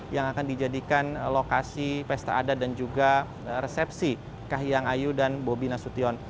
yang akan dijadikan lokasi pesta adat dan juga resepsi kahiyang ayu dan bobi nasution